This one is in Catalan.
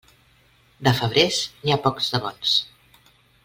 De febrers, n'hi ha pocs de bons.